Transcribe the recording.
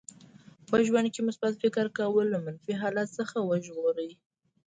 په ژوند کې مثبت فکر کول له منفي حالت څخه وژغوري.